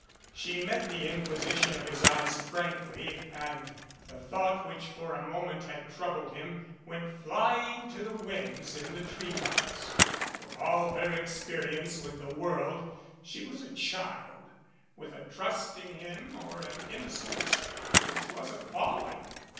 She met the inquisition of his eyes frankly and the thought which for a moment had troubled him went flying to the winds in the treetops. For all her experience with the world she was a child with a trust in him or an in nocence which was appalling.